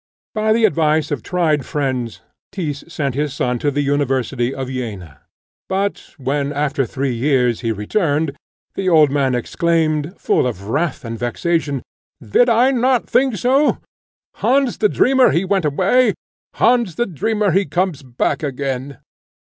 By the advice of tried friends, Tyss sent his son to the university of Jena, but when, after three years, he returned, the old man exclaimed, full of wrath and vexation, "Did I not think so? Hans the dreamer he went away, Hans the dreamer he comes back again."